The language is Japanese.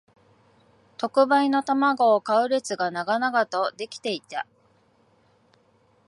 特売の玉子を買う列が長々と出来ていた